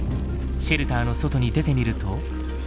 シェルターの外に出てみると。